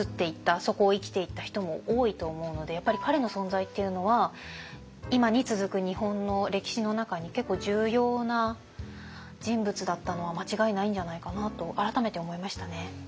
そこを生きていった人も多いと思うのでやっぱり彼の存在っていうのは今に続く日本の歴史の中に結構重要な人物だったのは間違いないんじゃないかなと改めて思いましたね。